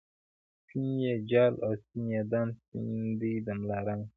سپین یی جال او سپین یی دام ، سپین دی د ملا رنګ